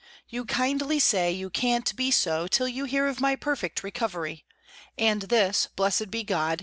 You kindly say you can't be so, till you hear of my perfect recovery. And this, blessed be God!